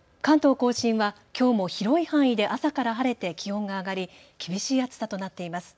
甲信は、きょうも広い範囲で朝から晴れて気温が上がり厳しい暑さとなっています。